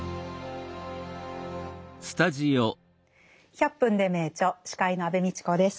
「１００分ｄｅ名著」司会の安部みちこです。